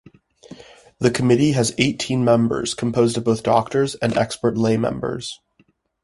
The committee has eighteen members, composed of both doctors and expert lay members.